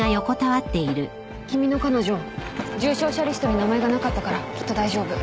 君の彼女重傷者リストに名前がなかったからきっと大丈夫。